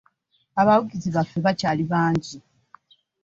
Abawagizi baffe bakyali bangi.